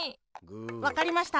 わかりました！